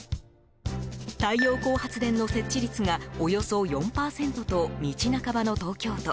太陽光発電の設置率がおよそ４％と道半ばの東京都。